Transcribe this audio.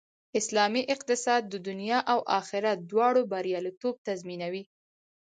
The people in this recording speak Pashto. اسلامي اقتصاد د دنیا او آخرت دواړو بریالیتوب تضمینوي